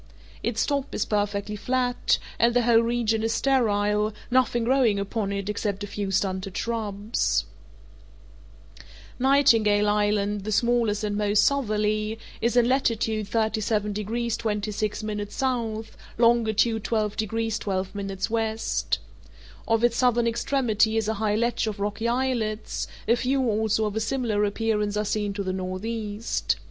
Its top is perfectly flat, and the whole region is sterile, nothing growing upon it except a few stunted shrubs. Nightingale Island, the smallest and most southerly, is in latitude 37 degrees 26' S., longitude 12 degrees 12' W. Off its southern extremity is a high ledge of rocky islets; a few also of a similar appearance are seen to the northeast.